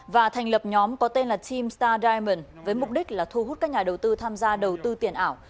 và thành lập nhóm có tên là team star diamond với mục đích là thu hút các nhà đầu tư tham gia đầu tư tiền ảo